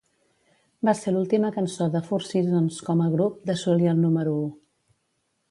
Va ser l'última cançó de Four Seasons, com a grup, d'assolir el número u.